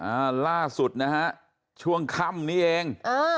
อ่าล่าสุดนะช่วงคำนี้เอง